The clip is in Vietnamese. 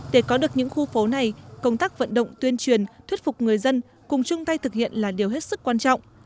để có được những khu phố này công tác vận động tuyên truyền thuyết phục người dân cùng chung tay thực hiện là điều hết sức quan trọng